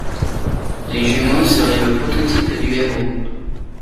Les jumeaux seraient le prototype du héros.